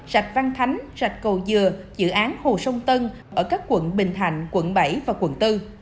sạch văn thánh rạch cầu dừa dự án hồ sông tân ở các quận bình thạnh quận bảy và quận bốn